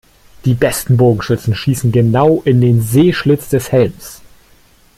Die besten Bogenschützen schießen genau in den Sehschlitz des Helms.